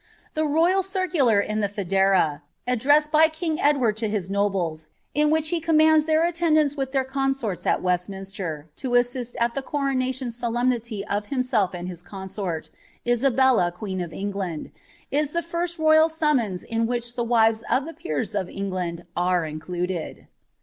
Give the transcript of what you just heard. The royal circular in the ddressed by king Edward to his nobles, in which ^ he corn er attendance with their consorts at Westminster, to assist at ition solemnity of himself and his consort, Tsabellti queen of is the first royal summons in which the wives of the peers of re included.'